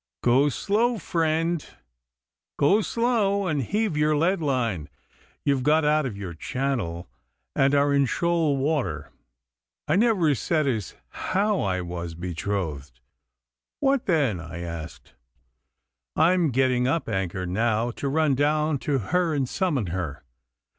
'Go slow, friend go slow, and heave your lead line! You have got out of your channel, and are in shoal water. I never said as how I was betrothed.' 'What then?' I asked. 'I am getting up anchor now, to run down to her and summon her.